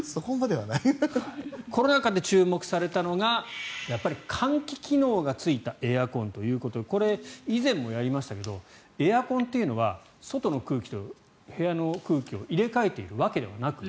コロナ禍で注目されたのがやっぱり換気機能がついたエアコンということでこれ、以前もやりましたけどエアコンというのは外の空気と部屋の空気を入れ替えているわけではなく。